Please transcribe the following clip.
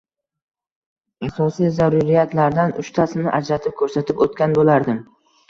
asosiy «zaruriyat»lardan uchtasini ajratib ko‘rsatib o‘tgan bo‘lardim.